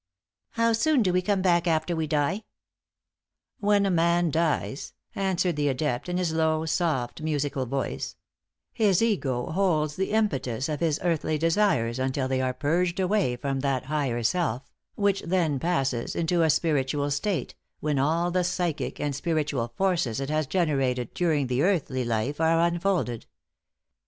"How soon do we come back after we die?" "When a man dies," answered the adept, in his low, soft, musical voice, "his ego holds the impetus of his earthly desires until they are purged away from that higher self, which then passes into a spiritual state, when all the psychic and spiritual forces it has generated during the earthly life are unfolded.